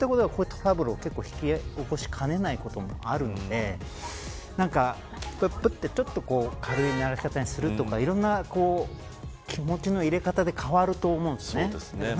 そういったことがこういったトラブルを引き起こしかねないこともあるのでちょっと軽い鳴らし方にするとかいろんな気持ちの入れ方で変わると思うんですね。